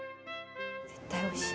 絶対おいしい。